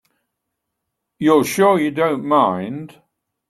You're sure you don't mind?